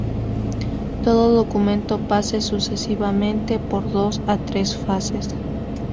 Todo documento pase sucesivamente por dos o tres fases.